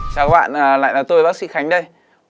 chào các bạn lại là tôi bác sĩ khánh đây